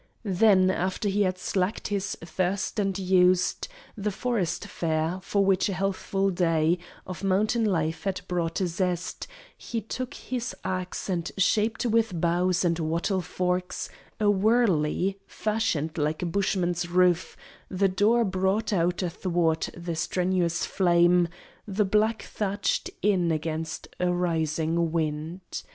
Then, after he had slaked his thirst and used The forest fare, for which a healthful day Of mountain life had brought a zest, he took His axe, and shaped with boughs and wattle forks A wurley, fashioned like a bushman's roof: The door brought out athwart the strenuous flame The back thatched in against a rising wind.